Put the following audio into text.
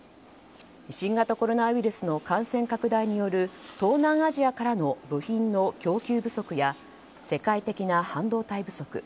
新型コロナウイルスの感染拡大による東南アジアからの部品の供給不足や世界的な半導体不足